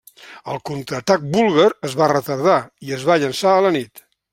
El contraatac búlgar es va retardar i es va llançar a la nit.